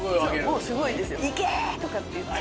もうすごいですよ。とかって言って。